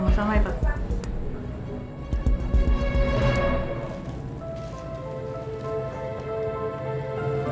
sama sama ya pak